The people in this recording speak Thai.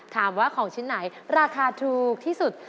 ถามว่าของชิ้นไหนราคาถูกที่สุด